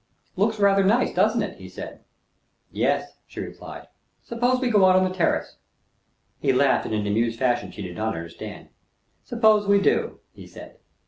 "Looks rather nice, doesn't it?" he said. "Yes," she replied. "Suppose we go out on the terrace." He laughed in an amused fashion she did not understand. "Suppose we do," he said.